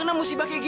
kamu kenapa lagi